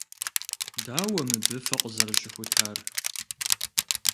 Дауэ мыбы фыкъызэрыщыхутар?